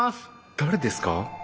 誰ですか？